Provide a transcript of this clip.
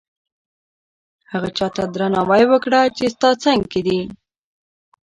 هغه چاته درناوی وکړه چې ستا څنګ کې دي.